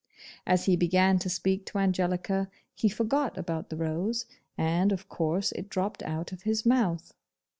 As he began to speak to Angelica, he forgot about the rose, and of course it dropped out of his mouth.